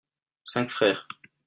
Cinq frères.